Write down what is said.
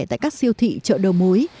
tại các siêu thị chợ đầu mối